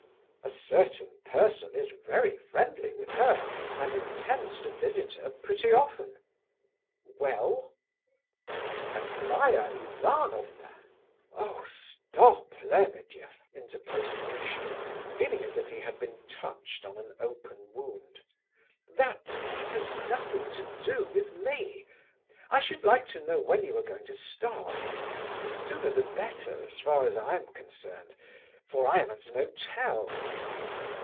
"A certain person is very friendly with her, and intends to visit her pretty often." "Well?" "Aglaya Ivanovna..." "Oh stop, Lebedeff!" interposed Muishkin, feeling as if he had been touched on an open wound. "That... that has nothing to do with me. I should like to know when you are going to start. The sooner the better as far as I am concerned, for I am at an hotel."